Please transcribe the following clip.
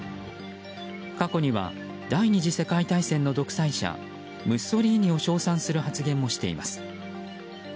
過去には第２次世界大戦の独裁者ムッソリーニを称賛する発言もしています。